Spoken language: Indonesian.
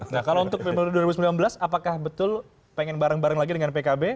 nah kalau untuk pemilu dua ribu sembilan belas apakah betul pengen bareng bareng lagi dengan pkb